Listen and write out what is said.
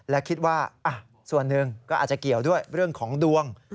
และคิดว่าส่วนหนึ่งก็อาจจะเกี่ยวด้วยเรื่องของดวง